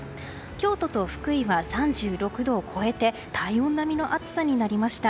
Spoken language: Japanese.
京都と福井は３６度を超えて体温並みの暑さになりました。